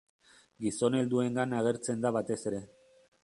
Gizon helduengan agertzen da batez ere.